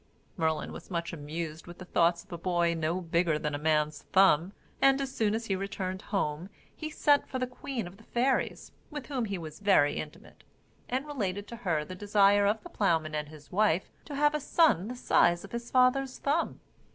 Merlin was much amused with the thoughts of a boy no bigger than a man's thumb, and, as soon as he returned home, he sent for the queen of the fairies (with whom he was very intimate), and related to her the desire of the ploughman and his wife to have a son the size of his father's thumb.